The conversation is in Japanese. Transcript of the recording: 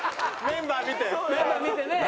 メンバー見てね。